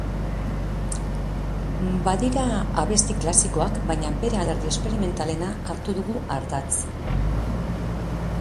Badira abesti klasikoak, baina bere alderdi esperimentalena hartu dugu ardatz.